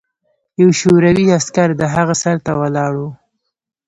یو شوروي عسکر د هغه سر ته ولاړ و